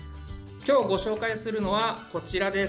今日ご紹介するのはこちらです。